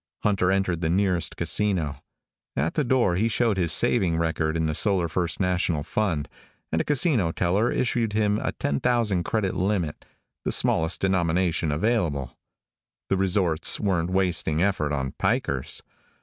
Hunter entered the nearest casino. At the door he showed his saving record in the Solar First National Fund, and a casino teller issued him a ten thousand credit limit, the smallest denomination available. The resorts weren't wasting effort on pikers.